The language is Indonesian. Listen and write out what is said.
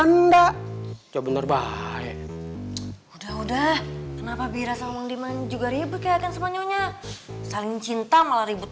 anda juga bener baik udah udah kenapa bira sama diman juga ribet kayaknya saling cinta malah ribet